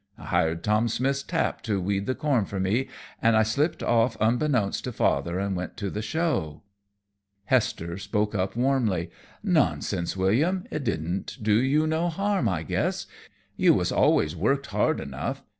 I hired Tom Smith's Tap to weed the corn for me, an' I slipped off unbeknownst to father an' went to the show." Hester spoke up warmly: "Nonsense, William! It didn't do you no harm, I guess. You was always worked hard enough.